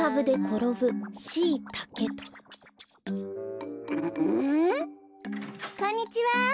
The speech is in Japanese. こんにちは！